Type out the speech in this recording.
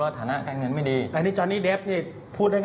แล้วฐาณะการเงินไม่ดีอันนี้จอนนี่เดฟนี่พูดได้